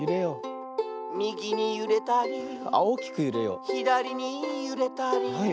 「みぎにゆれたり」「ひだりにゆれたり」